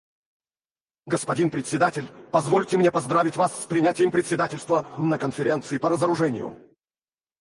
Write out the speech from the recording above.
Господин Председатель, позвольте мне поздравить вас с принятием председательства на Конференции по разоружению.